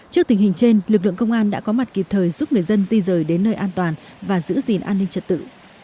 trước tình hình trên lực lượng công an đã có mặt kịp thời giúp người dân di rời đến nơi an toàn và giữ gìn an ninh trật tự